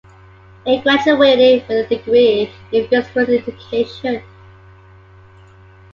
He graduated with a degree in physical education.